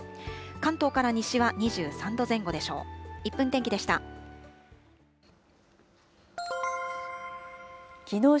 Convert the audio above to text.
関東から西は２３度前後でしょう。